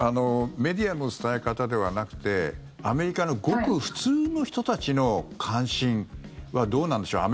メディアの伝え方ではなくてアメリカのごく普通の人たちの関心はどうなんでしょう。